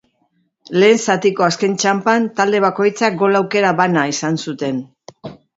Lehen zatiko azken txanpan talde bakoitzak gol aukera bana izan zuten.